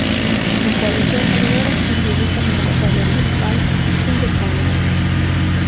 A coalición gañadora subiu nesta convocatoria anticipada cinco escanos.